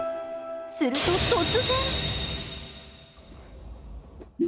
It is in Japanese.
すると突然。